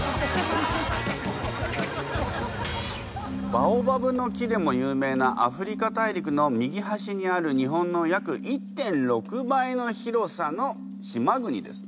バオバブの木でも有名なアフリカ大陸の右端にある日本の約１．６倍の広さの島国ですね。